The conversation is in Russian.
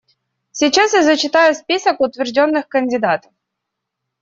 Сейчас я зачитаю список утвержденных кандидатов.